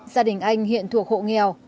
gia đình anh hiện thuộc hộ nghèo